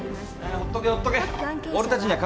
ほっとけほっとけ！